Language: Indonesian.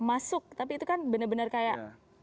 masuk tapi itu kan benar benar kayak